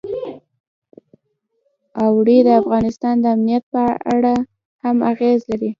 اوړي د افغانستان د امنیت په اړه هم اغېز لري.